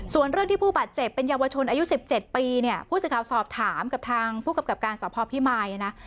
ส่วนเรื่องที่ผู้บาดเจ็บเป็นเยาวชนอายุสิบเจ็ดปีเนี้ยผู้สิทธิ์ข่าวสอบถามกับทางผู้กำกับการสอบพ่อพี่มายน่ะ